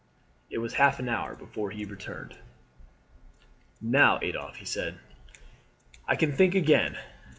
It was half an hour before he returned. "Now, Adolphe," he said, "I can think again.